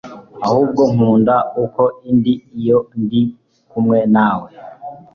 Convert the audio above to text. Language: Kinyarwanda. ahubwo nkunda uko ndi iyo ndi kumwe nawe.